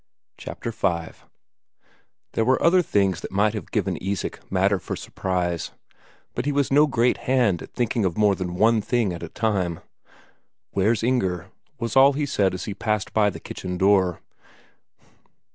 Chapter V There were other things that might have given Isak matter for surprise, but he was no great hand at thinking of more than one thing at a time. "Where's Inger?" was all he said as he passed by the kitchen door.